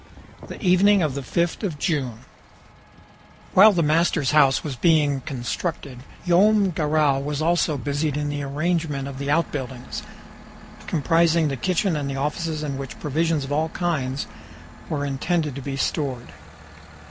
THE EVENING OF THE FIFTH OF JUNE While the master's house was being constructed, Joam Garral was also busied in the arrangement of the out buildings, comprising the kitchen, and offices in which provisions of all kinds were intended to be stored.